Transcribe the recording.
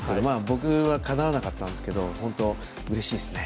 僕は、かなわなかったんですけど本当、うれしいですね。